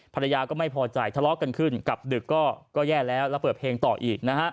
ภรรยาก็ไม่พอใจทะเลาะกันขึ้นกลับดึกก็แย่แล้วแล้วเปิดเพลงต่ออีกนะฮะ